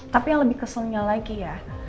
tapi yang lebih keselnya lagi ya